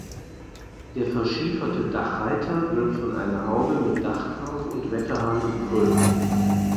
Der verschieferte Dachreiter wird von einer Haube mit Dachknauf und Wetterhahn bekrönt.